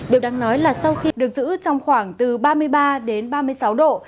điều đáng nói là sau khi được giữ trong khoảng từ ba mươi ba đến ba mươi sáu độ